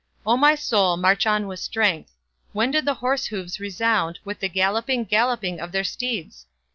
O my soul, march on with strength! When did the horse hoofs resound With the galloping, galloping of their steeds?